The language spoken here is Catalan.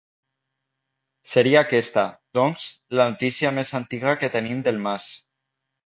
Seria aquesta, doncs, la notícia més antiga que tenim del mas.